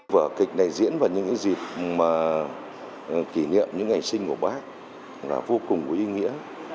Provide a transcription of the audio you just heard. vở kịch này diễn vào những dịp kỷ niệm những ngày sinh của bác là vô cùng có ý nghĩa